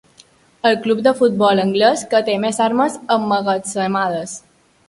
El club de futbol anglès que té més armes emmagatzemades.